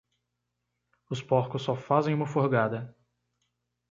Os porcos só fazem uma furgada.